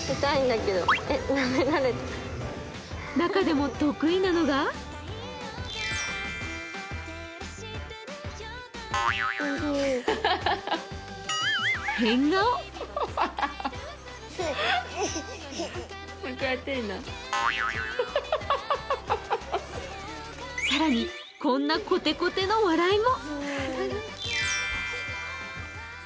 中でも得意なのが更に、こんなコテコテの笑いも。